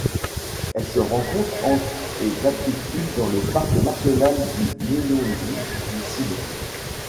Elle se rencontre entre et d'altitude dans le parc national de Midongy du sud.